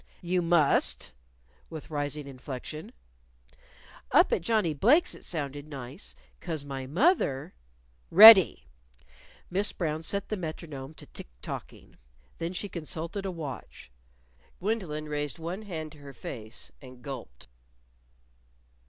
"You must," with rising inflection. "Up at Johnnie Blake's it sounded nice. 'Cause my moth er " "Ready!" Miss Brown set the metronome to tick tocking. Then she consulted a watch. Gwendolyn raised one hand to her face, and gulped.